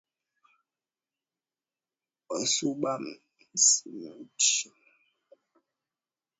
WasubaSimbiti ndio hupatikana hata nchini Kenyana ni Waluhya Maragoli Walitoka sehemu ya